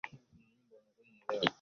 n soroh ni waziri mkuu wa cote divoire